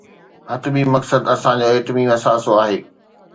حتمي مقصد اسان جو ايٽمي اثاثو آهي.